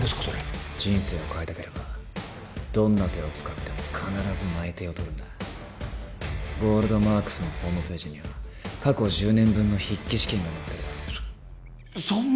それ人生を変えたければどんな手を使っても必ず内定を取るんだゴールドマークスのホームページには過去１０年分の筆記試験が載ってるだろそ